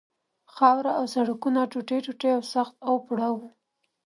خاوره او سړکونه ټوټې ټوټې او سخت اوپړه وو.